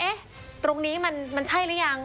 ตรงนี้มันใช่หรือยัง